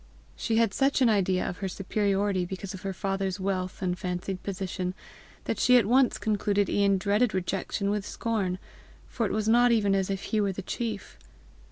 She had such an idea of her superiority because of her father's wealth and fancied position, that she at once concluded Ian dreaded rejection with scorn, for it was not even as if he were the chief.